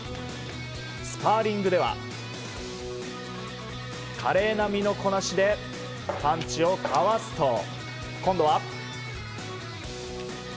スパーリングでは華麗な身のこなしでパンチをかわすと今度は。